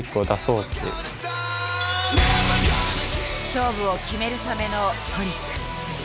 勝負を決めるためのトリック。